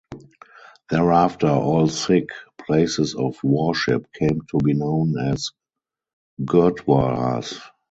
Thereafter, all Sikh places of worship came to be known as gurdwaras.